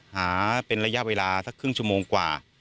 หาเป็นระยะเวลาสักครึ่งชั่วโมงกว่า